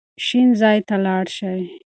شین ځای ته لاړ شئ.